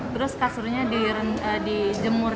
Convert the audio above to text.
terus kasurnya di jemur